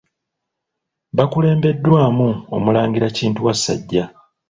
Bakulembeddwamu Omulangira Kintu Wasajja.